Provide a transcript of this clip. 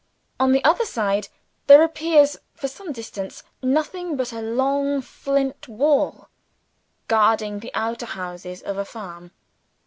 On the other side there appears, for some distance, nothing but a long flint wall guarding the outhouses of a farm.